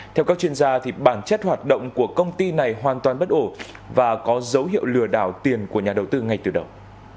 theo các chuyên gia bản chất hoạt động của công ty này hoàn toàn bất ổ và có dấu hiệu lừa đảo tiền của nhà đầu tư ngay từ đầu